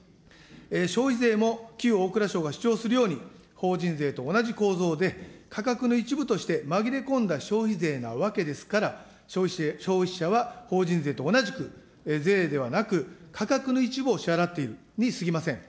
消費税も旧大蔵省が主張するように、法人税と同じ構造で、価格の一部として紛れ込んだ消費税なわけですから、消費者は法人税と同じく、税ではなく価格の一部を支払っているにすぎません。